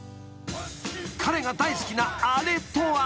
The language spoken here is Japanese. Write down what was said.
［彼が大好きなあれとは］